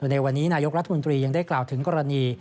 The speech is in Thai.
ในวันนี้นายกรัฐมนตรียังได้กล่าวถึงกรณี